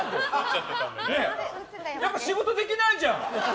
やっぱ仕事できないじゃん！